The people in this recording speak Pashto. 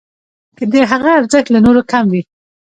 که د هغه ارزښت له نورو کم وي.